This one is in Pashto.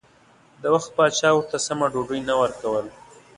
د وخت پاچا ورته سمه ډوډۍ نه ورکوله.